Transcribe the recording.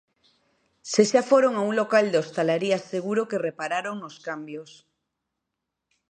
Se xa foron a un local de hostalaría seguro que repararon nos cambios.